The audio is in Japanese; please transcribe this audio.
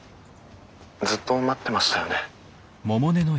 ずっと待ってましたよね。